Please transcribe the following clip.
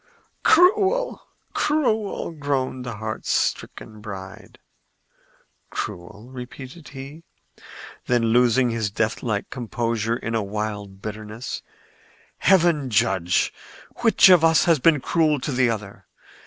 "Cruel! cruel!" groaned the heartstricken bride. "Cruel?" repeated he; then, losing his deathlike composure in a wild bitterness, "Heaven judge which of us has been cruel to the other!